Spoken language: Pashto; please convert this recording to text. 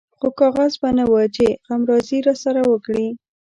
خو کاغذ به نه و چې غمرازي راسره وکړي.